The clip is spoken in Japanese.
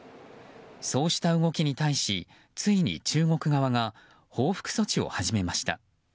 そうした動きに対しついに中国側が報復措置を始めました。